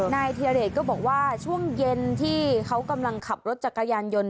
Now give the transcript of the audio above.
เทียเดชก็บอกว่าช่วงเย็นที่เขากำลังขับรถจักรยานยนต์